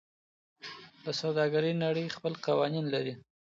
د سوداګرۍ نړۍ خپل قوانین لري.